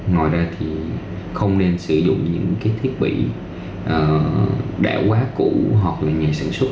ngoài ra thì không nên sử dụng những cái thiết bị đẻo quá cũ hoặc là nhà sản xuất